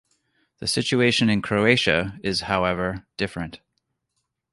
The situation in Croatia, is however, different.